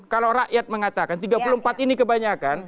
kalau rakyat mengatakan tiga puluh empat ini kebanyakan